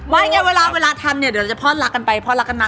ไงเวลาทำเนี่ยเดี๋ยวเราจะพ่อรักกันไปพ่อรักกันมา